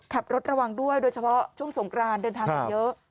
ขับรถระวังด้วยโดยเฉพาะช่วงสงกรานเดินทางกันเยอะ